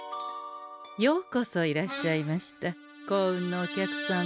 ようこそいらっしゃいました幸運のお客様。